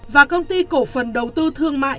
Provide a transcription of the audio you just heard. và công ty cổ phần đầu tư thương mại